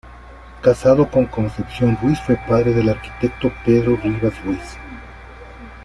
Casado con Concepción Ruiz, fue padre del arquitecto Pedro Rivas Ruiz.